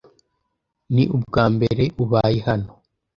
Ni ubwambere ubaye hano?